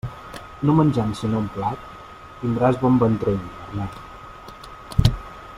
No menjant sinó un plat, tindràs bon ventrell, Bernat.